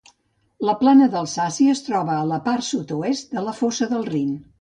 La plana d'Alsàcia es troba a la part sud-oest de la fossa del Rin.